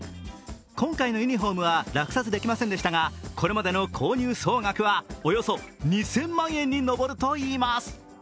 今回のユニフォームは落札できませんでしたがこれまでの購入総額はおよそ２０００万円に上るといいます。